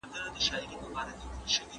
خلګ له تاریخي کرکټرونو سره بې کچې مینه کوي.